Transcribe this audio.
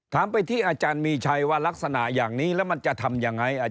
ถามไปที่อาจารย์มีชัยว่ารักษณะอย่างนี้แล้วมันจะทำยังไง